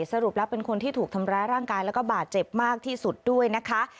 สรุปแล้วเป็นคนที่ถูกทำร้ายร่างกายแล้วก็บาดเจ็บมากที่สุดด้วยนะคะ